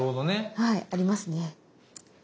はいありますね。